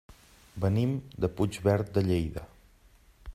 Venim de Puigverd de Lleida.